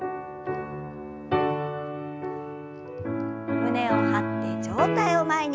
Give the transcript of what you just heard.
胸を張って上体を前に。